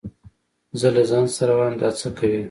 زه له ځان سره وايم دا څه کوي.